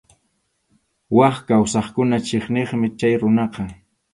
Wak kawsaqkuna chiqniqmi chay runaqa.